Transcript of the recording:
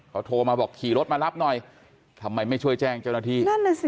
เขาโทรมาบอกขี่รถมารับหน่อยทำไมไม่ช่วยแจ้งเจ้าหน้าที่นั่นน่ะสิ